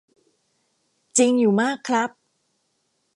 จริงอยู่มากครับ.